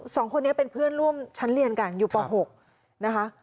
สองคนนี้เป็นเพื่อนร่วมชั้นเรียนกันอยู่ป๖นะคะ